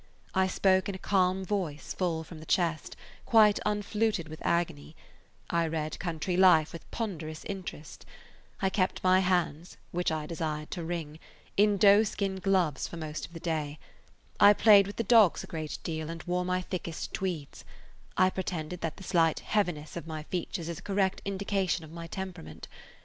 I spoke in a calm voice full from the chest, quite unfluted with agony; I read "Country Life" with ponderous interest; I kept my hands, which I desired to wring, in doeskin gloves for most of the day; I played with the dogs a great deal and wore my thickest tweeds; I pretended that the slight heaviness of my features is a correct indication of my temperament.